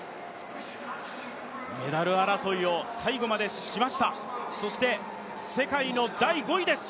メダル争いを最後までしました、そして世界の第５位です。